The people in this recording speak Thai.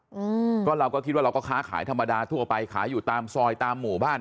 อืมก็เราก็คิดว่าเราก็ค้าขายธรรมดาทั่วไปขายอยู่ตามซอยตามหมู่บ้าน